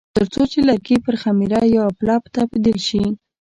ترڅو چې لرګي پر خمیره یا پلپ تبدیل شي.